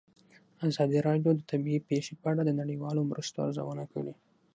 ازادي راډیو د طبیعي پېښې په اړه د نړیوالو مرستو ارزونه کړې.